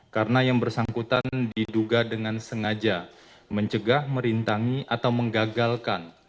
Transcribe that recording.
karena yang bersangkutan diduga dengan sengaja mencegah merintangi atau menggagalkan